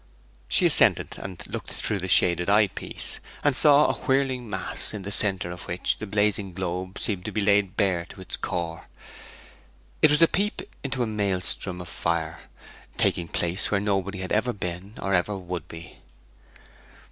She assented, and looked through the shaded eyepiece, and saw a whirling mass, in the centre of which the blazing globe seemed to be laid bare to its core. It was a peep into a maelstrom of fire, taking place where nobody had ever been or ever would be.